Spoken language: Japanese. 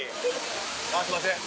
あっすいません。